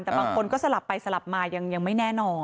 แต่บางคนก็สลับไปสลับมายังไม่แน่นอน